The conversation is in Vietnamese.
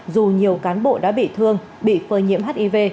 dù nhiều cán bộ đã bị thương bị phơi nhiễm hiv